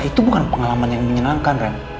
itu bukan pengalaman yang menyenangkan ren